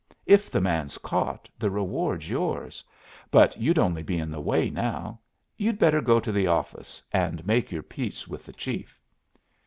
If the man's caught, the reward's yours. But you'd only be in the way now. You'd better go to the office and make your peace with the chief."